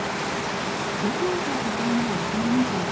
漁業も盛んな和歌山県。